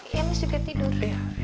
iya mas juga tidur